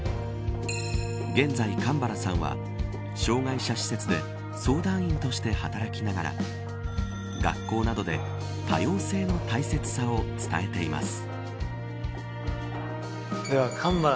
現在、神原さんは障害者施設で相談員として働きながら学校などで多様性の大切さを伝えています。